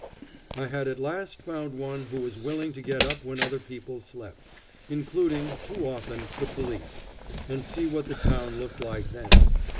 I had at last found one who was willing to get up when other people slept including, too often, the police and see what the town looked like then.